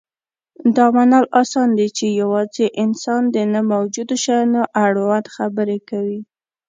دا منل اسان دي، چې یواځې انسان د نه موجودو شیانو اړوند خبرې کوي.